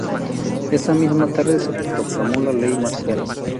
Esa misma tarde se proclamó la ley marcial.